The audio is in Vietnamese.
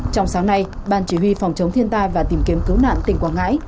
trong sáng nay ban chỉ huy phòng chống thiên tai và tìm kiếm cứu nạn tỉnh quảng ngãi